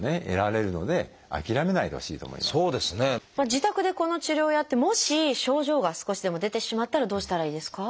自宅でこの治療をやってもし症状が少しでも出てしまったらどうしたらいいですか？